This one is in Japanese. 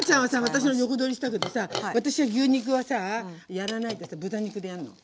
私の横取りしたけどさ私は牛肉はやらないで豚肉でやるの。